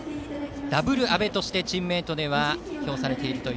ダブル阿部としてチームメートには評されていると。